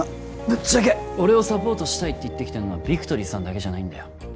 ぶっちゃけ俺をサポートしたいって言ってきてんのはビクトリーさんだけじゃないんだよ